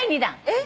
えっ。